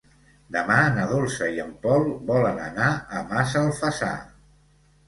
Demà na Dolça i en Pol volen anar a Massalfassar.